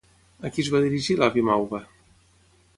A qui es va dirigir l'avi Mauva?